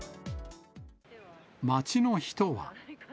街の人は。